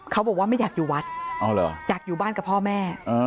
เขาบอกว่าไม่อยากอยู่วัดอยากอยู่บ้านกับพ่อแม่